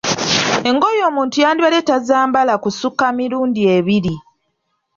Engoye omuntu yandibadde tazambala kusukka mirundi ebiri.